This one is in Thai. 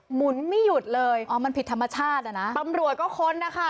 หมุนไม่หยุดเลยอ๋อมันผิดธรรมชาติอ่ะนะตำรวจก็ค้นนะคะ